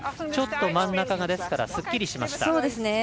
ちょっと真ん中がすっきりしました。